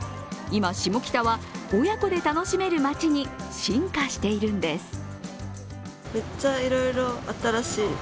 今、下北は、親子で楽しめる街に進化しているんです。